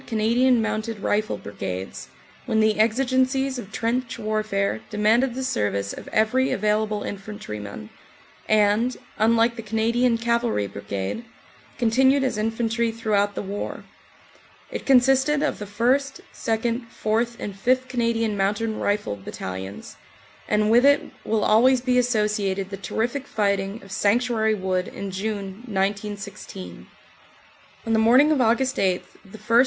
Cana dian Mounted Rifle Brigades, when the exigencies of trench warfare demanded the service of every available infantryman, and, unlike the Canadian Cavalry Brigade, continued as infantry throughout the war. It consisted of the 1st., 2nd., 44 CANADA S HUNDRED DAYS 4th., and 5th. C. M. R. Battalions, and with it will always be associated the terrific fighting of Sanctuary Wood in June, 1916. On the morning of Aug. 8 the 1st.